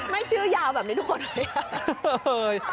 ไม่ชื่อยาวแบบนี้ทุกคนเลยครับ